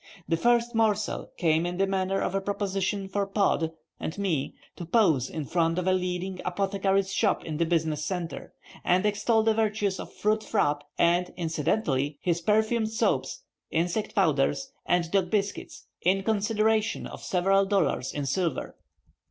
The first morsel came in the manner of a proposition for Pod and me to pose in front of a leading apothecary's shop in the business center, and extol the virtues of fruit frappe, and incidentally his perfumed soaps, insect powders, and dog biscuits, in consideration of several dollars in silver.